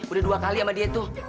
udah dua kali sama dia tuh